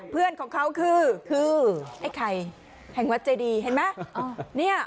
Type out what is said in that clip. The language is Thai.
เพื่อนของเขาคือไอ้ไข่แห่งวัดเจดีเห็นไหม